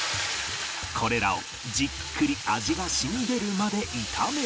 これらをじっくり味が染み出るまで炒める